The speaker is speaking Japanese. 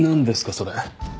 それ。